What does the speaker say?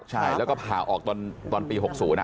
ใช่แล้วก็ผ่าออกตอนปีหกศูนย์อ่ะ